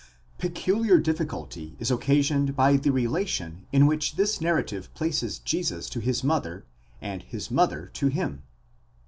Peculiar difficulty is occasioned by the relation in which this narrative places Jesus to his mother, and his mother to him.